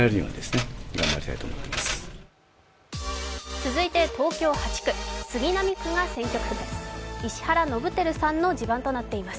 続いて東京８区、杉並区が選挙区です。